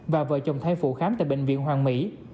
và vợ chồng thai phụ khám tại bệnh viện hoàng mỹ